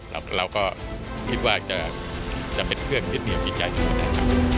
เราก็คิดว่าจะเป็นเครื่องที่มีวิจัยทุกคนได้